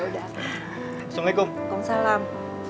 ya udah assalamualaikum waalaikumsalam